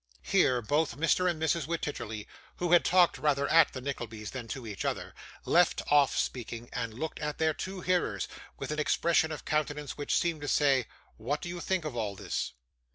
Here, both Mr. and Mrs. Wititterly, who had talked rather at the Nicklebys than to each other, left off speaking, and looked at their two hearers, with an expression of countenance which seemed to say, 'What do you think of all this?